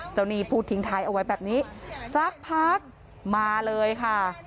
หนี้พูดทิ้งท้ายเอาไว้แบบนี้สักพักมาเลยค่ะ